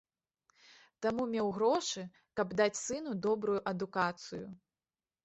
Таму меў грошы, каб даць сыну добрую адукацыю.